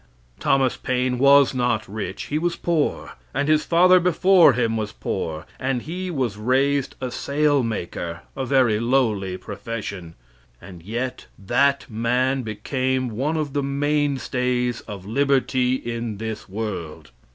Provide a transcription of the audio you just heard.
Thomas Paine was not rich, he was poor, and his father before him was poor, and he was raised a sailmaker, a very lowly profession, and yet that man became one of the mainstays of liberty in this world.